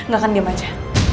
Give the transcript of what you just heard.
gak akan diem aja